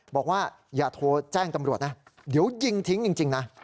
บอกว่าอย่าโทรแจ้งตำรวจนะเดี๋ยวยิงทิ้งจริงนะ